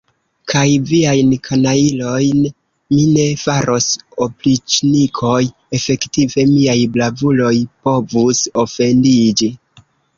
Kaj viajn kanajlojn mi ne faros opriĉnikoj, efektive miaj bravuloj povus ofendiĝi.